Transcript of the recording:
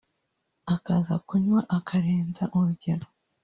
akaza kunywa akarenza urugero